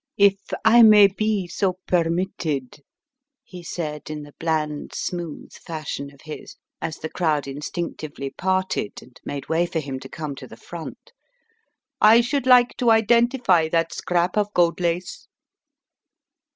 "If I may be so permitted," he said in the bland, smooth fashion of his, as the crowd instinctively^ parted and made way for him to come to the front, "I should like to identify that scrap of gold lace."